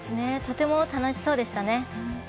とても楽しそうでしたね。